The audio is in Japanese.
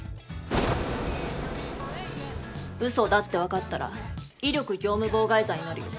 うそだって分かったら威力業務妨害罪になるよ。